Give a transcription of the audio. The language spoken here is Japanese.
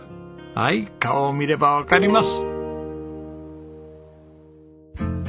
はい顔を見ればわかります。